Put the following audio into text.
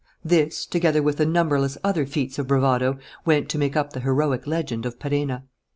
This, together with numberless other feats of bravado, went to make up the heroic legend of Perenna.